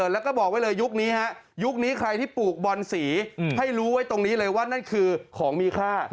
แล้วก็บอกไว้เลยยุคนี้ฮะยุคนี้ใครที่ปลูกบอนสีให้รู้ไว้ตรงนี้เลยว่านั่นคือของมีค่า